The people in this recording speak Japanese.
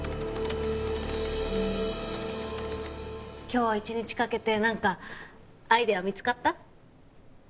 今日一日かけて何かアイデア見つかった？